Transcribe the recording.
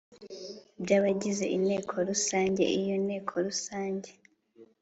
by abagize Inteko Rusange Iyo Nteko Rusange